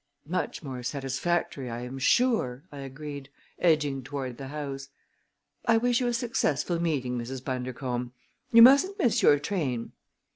"Much more satisfactory, I am sure," I agreed, edging toward the house. "I wish you a successful meeting, Mrs. Bundercombe. You mustn't miss your train!"